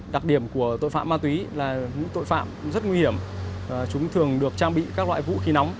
đặc điểm của tội phạm ma túy là những tội phạm rất nguy hiểm chúng thường được trang bị các loại vũ khí nóng